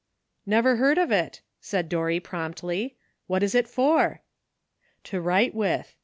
*' Never heard of it," said Dori y promptly. *' What is it for?" *'To write with.